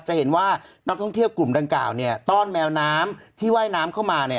จะเห็นว่านักท่องเที่ยวกลุ่มดังกล่าวเนี่ยต้อนแมวน้ำที่ว่ายน้ำเข้ามาเนี่ย